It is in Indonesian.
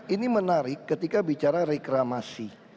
ini menarik ketika bicara reklamasi